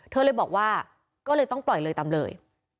เธอเลยบอกว่าก็เลยต้องปล่อยเลยตามเลย